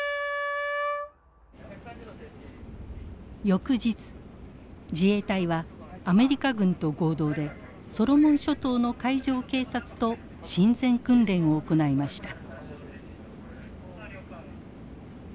翌日自衛隊はアメリカ軍と合同でソロモン諸島の海上警察と親善訓練を行いました。